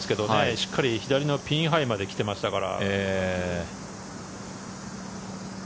しっかり左のピンハイまで来ていましたから。